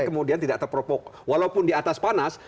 kemudian tidak terpropok walaupun di atas panas